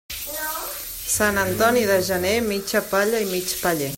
Sant Antoni de gener, mitja palla i mig paller.